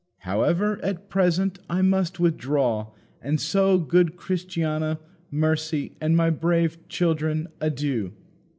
However, at present, I must withdraw, and so, good Christiana, Mercy, and my brave children, adieu!"